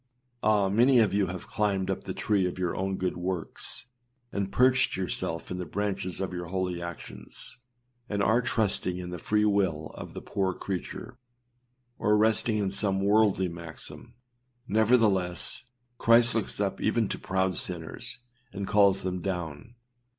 Ah! many of you have climbed up the tree of your own good works, and perched yourselves in the branches of your holy actions, and are trusting in the free will of the poor creature, or resting in some worldly maxim; nevertheless, Christ looks up even to proud sinners, and calls them down.